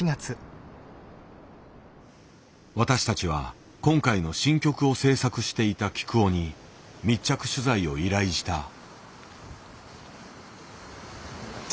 私たちは今回の新曲を制作していたきくおに密着取材を依頼した。